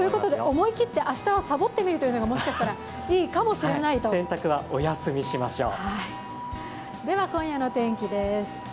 思い切って明日はサボってみるというのがもしかしたら、いいかもしれないと洗濯はお休みしましょう。